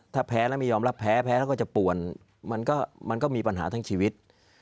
ถ้าแพ้แล้วไม่ยอมรับแพ้แพ้แล้วก็จะป่วนมันก็มีปัญหาทั้งชีวิต